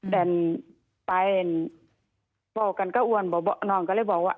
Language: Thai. แต่ปายบอกกันก็อ้วนน้องก็เลยบอกว่า